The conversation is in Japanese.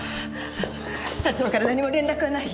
田代から何も連絡はない？